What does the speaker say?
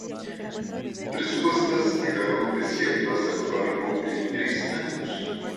Tres subastas quedaron desiertas a lo largo de tres años.